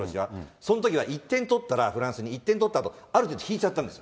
そのときは１点取ったら、フランスに１点取ったあと、ある程度引いちゃったんです。